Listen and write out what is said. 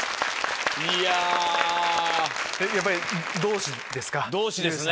やっぱり同志ですか？